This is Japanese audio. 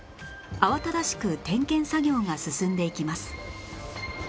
慌ただしく点検作業が進んでいきます